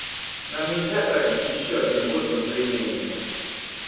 Нам нельзя тратить еще один год на заявления.